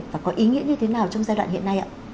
và có ý nghĩa như thế nào trong giai đoạn hiện nay ạ